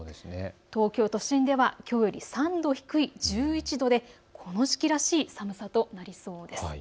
東京都心では、きょうより３度低い１１度でこの時期らしい寒さとなりそうです。